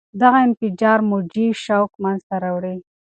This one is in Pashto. دغه انفجار موجي شوک منځته راوړي.